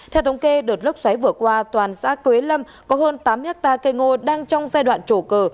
theo thống kê đợt lốc xoáy vừa qua toàn xã quế lâm có hơn tám hectare cây ngô đang trong giai đoạn trổ cờ